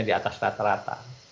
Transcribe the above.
di atas rata rata